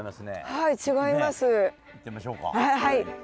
はい。